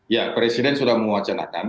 ya presiden sudah menguacanakan